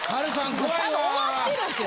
多分終わってるんすよ。